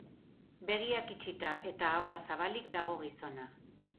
Begiak itxita eta ahoa zabalik dago gizona.